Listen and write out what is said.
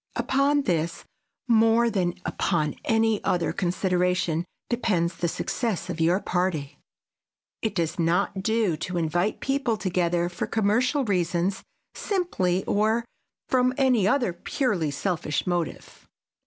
Upon this more than upon any other consideration depends the success of your party. It does not do to invite people together for commercial reasons simply or from any other purely selfish motive.